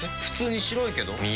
普通に白いけど。